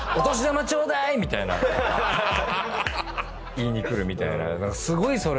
言いに来るみたいな。